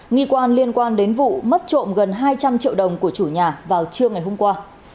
nghi quan liên quan đến vụ mất trộm gần hai trăm linh triệu đồng của chủ nhà vào trưa ngày hôm qua